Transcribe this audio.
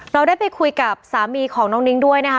เราได้ไปคุยกับสามีของน้องนิ้งด้วยนะคะ